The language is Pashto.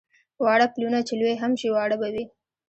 واړه پلونه چې لوی هم شي واړه به وي.